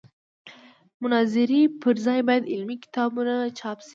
د مناظرې پر ځای باید علمي کتابونه چاپ شي.